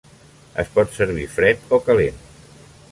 Es pot servir fred o calent.